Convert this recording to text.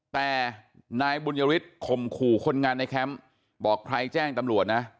แต่นายบุญยฤทธิข่มขู่คนงานในแคมป์บอกใครแจ้งตำรวจนะ